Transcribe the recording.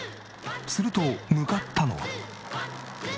すると向かったのは。